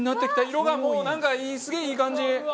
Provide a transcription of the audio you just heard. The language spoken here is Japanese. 色がもうなんかすげえいい感じ！